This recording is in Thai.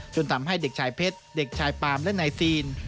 ทำให้เด็กชายเพชรเด็กชายปาล์มและนายซีน